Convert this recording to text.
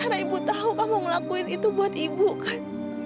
karena ibu tahu kamu ngelakuin itu buat ibu kan